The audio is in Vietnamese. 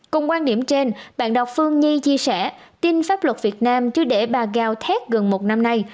cùng quan điểm trên bạn đọc phương nhi chia sẻ tin pháp luật việt nam chứ để bà gao thét gần một năm nay